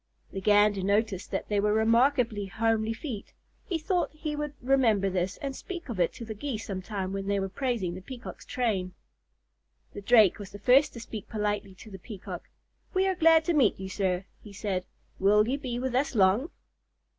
The Gander noticed that they were remarkably homely feet. He thought he would remember this and speak of it to the Geese some time when they were praising the Peacock's train. The Drake was the first to speak politely to the Peacock. "We are glad to meet you, sir," he said. "Will you be with us long?"